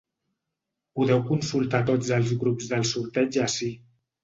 Podeu consultar tots els grups del sorteig ací.